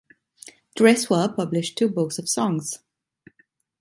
Dressler published two books of songs.